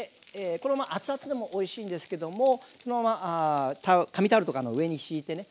このまま熱々でもおいしいんですけどもそのまま紙タオルとかの上に敷いてね